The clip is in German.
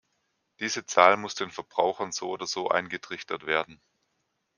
Diese Zahl muss den Verbrauchern so oder so eingetrichtert werden.